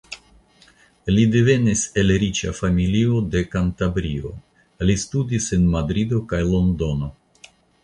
Li devenis el riĉa familio de Kantabrio; li studis en Madrido kaj Londono.